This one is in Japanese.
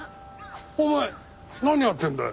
お前何やってんだよ？